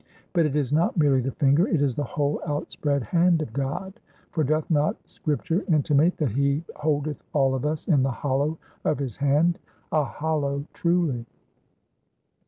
But it is not merely the Finger, it is the whole outspread Hand of God; for doth not Scripture intimate, that He holdeth all of us in the hollow of His hand? a Hollow, truly!